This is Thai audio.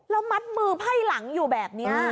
แล้วมัดมือไพ่หลังอยู่แบบนี้